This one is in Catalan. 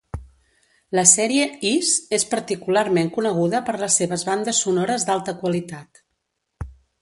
La sèrie "Ys" és particularment coneguda per les seves bandes sonores d'alta qualitat.